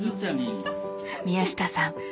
宮下さん